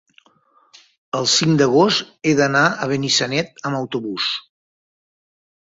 el cinc d'agost he d'anar a Benissanet amb autobús.